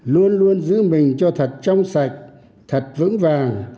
luôn luôn giữ mình cho thật trong sạch thật vững vàng